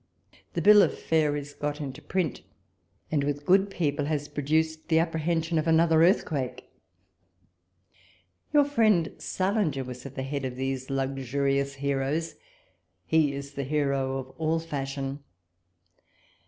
The bill of fare is got into print, and with good people has produced the apprehension of another earth quake. Your friend St. Leger was at the head of these luxurious heroes — he is the hero of all fashion.